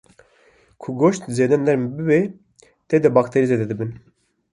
ku goşt zêde nerm bibe tê de bakterî zêde dibe